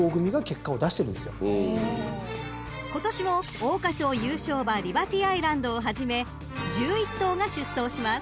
［今年も桜花賞優勝馬リバティアイランドをはじめ１１頭が出走します］